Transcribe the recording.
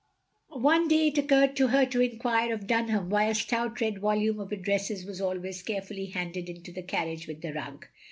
One day it occurred to her to enquire of Dunham why a stout red volume of addresses was always careftilly handed into the carriage with the rug.